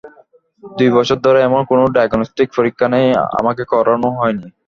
দুই বছর ধরে এমন কোনো ডায়াগনস্টিক পরীক্ষা নেই, আমাকে করানো হয়নি।